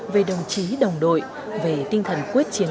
về đồng chí đồng đội về tinh thần quyết chiến